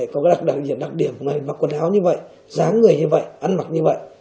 có đặc diện đặc điểm mặc quần áo như vậy dáng người như vậy ăn mặc như vậy